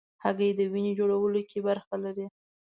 هګۍ د وینې جوړولو کې برخه لري.